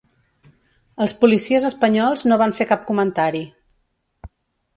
Els policies espanyols no van fer cap comentari.